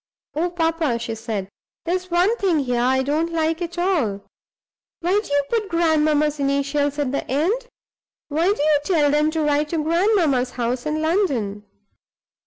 "Oh, papa," she said, "there's one thing here I don't like at all! Why do you put grandmamma's initials at the end? Why do you tell them to write to grandmamma's house in London?"